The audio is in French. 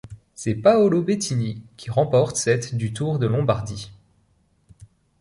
C'est Paolo Bettini qui remporte cette du Tour de Lombardie.